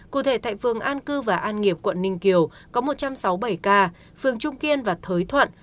cụ thể tại phường an cư và an nghiệp quận ninh kiều có một trăm sáu mươi bảy ca phường trung kiên và thới thuận